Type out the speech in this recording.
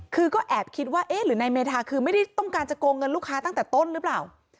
คือก็แอบคิดว่าเอ๊ะหรือนายเมธาคือไม่ได้ต้องการจะโกงเงินลูกค้าตั้งแต่ต้นหรือเปล่า